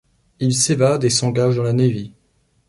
Il s'évade et s'engage dans la Navy.